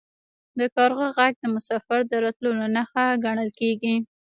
د کارغه غږ د مسافر د راتلو نښه ګڼل کیږي.